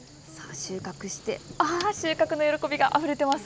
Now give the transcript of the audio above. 収穫して収穫の喜びがあふれています。